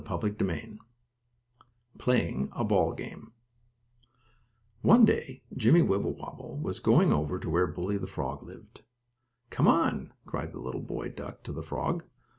STORY XV PLAYING A BALL GAME One day Jimmie Wibblewobble was going over to where Bully, the frog, lived. "Come on!" cried the little boy duck, to the frog.